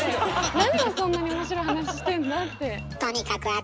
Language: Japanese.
何をそんなに面白い話してんのって。